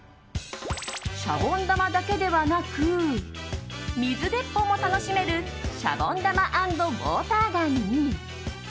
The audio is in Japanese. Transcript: シャボン玉だけではなく水鉄砲も楽しめるシャボン玉＆ウォーターガンに。